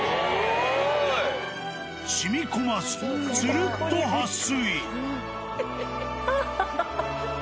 しみこまず、つるっと撥水。